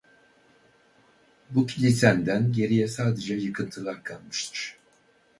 Bu kilisenden geriye sadece yıkıntılar kalmıştır.